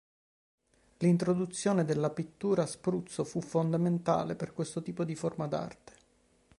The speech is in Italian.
L'introduzione della pittura a spruzzo fu fondamentale per questo tipo di forma d'arte.